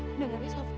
udah gak ada yang sapa